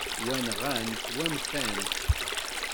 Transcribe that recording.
Wa, nɣan-t, wa nfant-t.